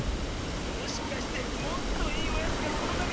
もしかしてもっといいおやつがこのなかに。